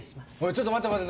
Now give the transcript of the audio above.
ちょっと待て待て。